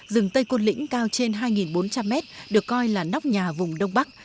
rừng tây côn lĩnh cao trên hai bốn trăm linh mét được coi là nóc nhà vùng đông bắc